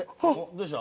どうした？